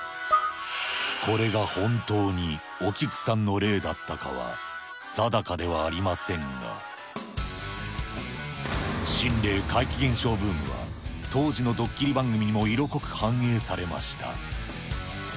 これが本当にお菊さんの霊だったかは定かではありませんが、心霊・怪奇現象ブームは、当時のドッキリ番組にも色濃く反映されました。